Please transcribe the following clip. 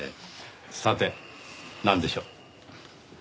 さてなんでしょう？